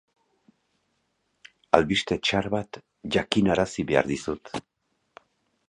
Albiste txar bat jakinarazi behar dizut.